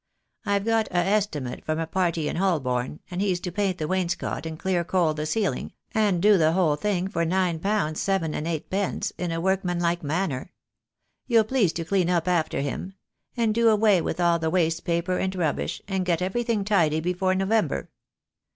I've got a estimate from a party in Holborn, and he's to paint the wainscot and clear coal the ceiling, and do the whole thing for nine pounds seven and eightpence, in a work manlike manner. You'll please to clean up after him, and do away with all the waste paper and rubbish, and get everything tidy before November."